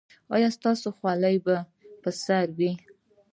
ایا ستاسو خولۍ به پر سر وي؟